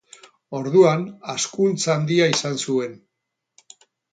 Orduan hazkuntza handia izan zuen.